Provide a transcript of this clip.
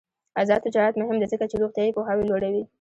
آزاد تجارت مهم دی ځکه چې روغتیايي پوهاوی لوړوي.